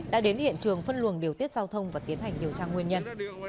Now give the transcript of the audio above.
đã đến hiện trường phân luồng điều tiết giao thông và tiến hành điều tra nguyên nhân